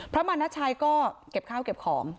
มาณชัยก็เก็บข้าวเก็บของ